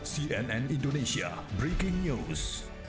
cnn indonesia breaking news